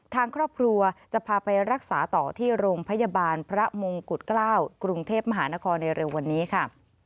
ทางครอบครัวจะพาไปรักษาต่อที่โรงพยาบาลพระมงกุฎเกล้ากรุงเทพมหานครในเร็ววันนี้ค่ะ